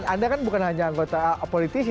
anda kan bukan hanya anggota politisi